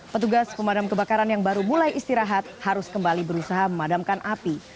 petugas pemadam kebakaran yang baru mulai istirahat harus kembali berusaha memadamkan api